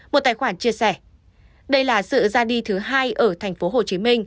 một tài khoản chia sẻ đây là sự ra đi thứ hai ở tp hcm